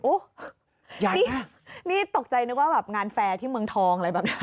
นี่นี่ตกใจนึกว่าแบบงานแฟร์ที่เมืองทองอะไรแบบนี้